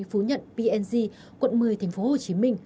thì phú nhận png quận một mươi tp hcm